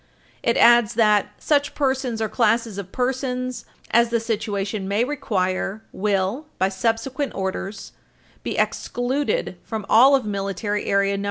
It adds that "[s]uch persons or classes of persons as the situation may require" will, by subsequent orders, "be excluded from all of Military Area No.